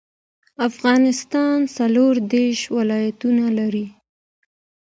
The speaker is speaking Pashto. افغانستان څلور دیرش ولايتونه لري